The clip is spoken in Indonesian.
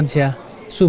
kenapa tidak nih